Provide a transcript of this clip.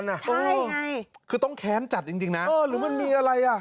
ใช่คือต้องแค้นจัดจริงนะเออหรือมันมีอะไรอ่ะ